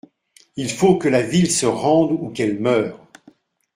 Il faut que la ville se rende ou qu'elle meure.